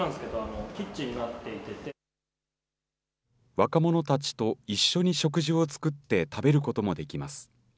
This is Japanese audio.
若者たちと一緒に食事を作って食べることもできます。